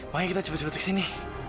makanya kita cepet cepet kesini